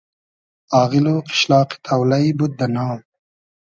آغیل و قیشلاقی تۉلݷ بود دۂ نام